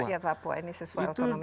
ini sesuai otonomi khususnya